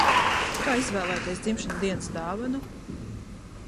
Kā izvēlēties dzimšanas dienas dāvanu?